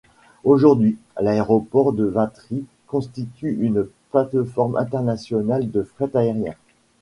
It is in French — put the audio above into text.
Aujourd'hui, l'aéroport de Vatry constitue une plateforme internationale de fret aérien.